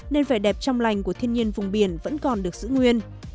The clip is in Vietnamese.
nên vẻ đẹp trong lành của thiên nhiên vùng biển vẫn còn được giữ nguyên